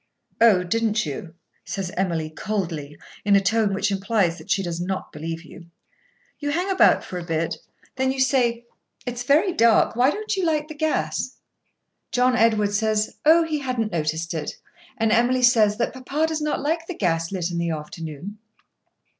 "Oh! didn't you?" says Emily, coldly, in a tone which implies that she does not believe you. You hang about for a bit, then you say: "It's very dark. Why don't you light the gas?" John Edward says, "Oh!" he hadn't noticed it; and Emily says that papa does not like the gas lit in the afternoon.